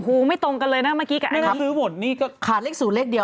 อื้อไม่ตรงกันเลยนะเมื่อกี้กับอันนี้